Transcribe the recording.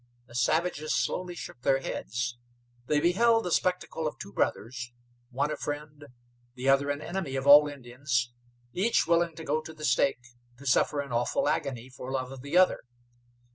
The savages slowly shook their heads. They beheld the spectacle of two brothers, one a friend, the other an enemy of all Indians, each willing to go to the stake, to suffer an awful agony, for love of the other.